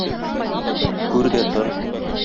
Күр дә тор!